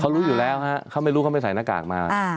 รู้อยู่แล้วฮะเขาไม่รู้เขาไม่ใส่หน้ากากมา